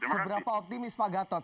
seberapa optimis pak gatot